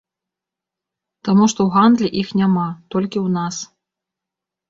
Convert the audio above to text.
Таму што ў гандлі іх няма, толькі ў нас.